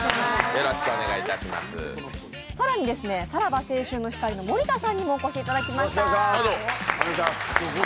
更に、さらば青春の光の森田さんにもお越しいただきました。